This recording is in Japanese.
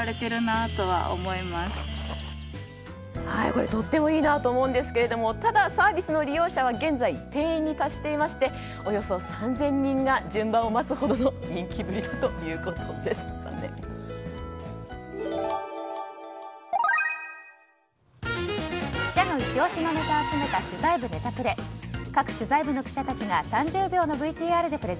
これ、とてもいいなと思いますがただ、サービスの利用者は現在、定員に達していましておよそ３０００人が順番を待つほどの記者のイチ押しのネタを集めた取材部ネタプレ。